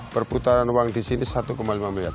perputaran uang disini satu lima miliar